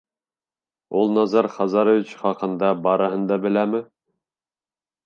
Ул Назар Хазарович хаҡында бөтәһен дә беләме?